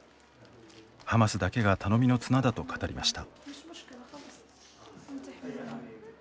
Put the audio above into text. ハマスだけが頼みの綱だと語りました。